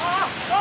あ！